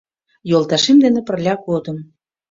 Йолташем дене пырля годым.